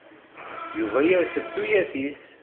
Yuba yerfed tuyat-is.